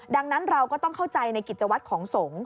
ดังนั้นเราก็ต้องเข้าใจในกิจวัตรของสงฆ์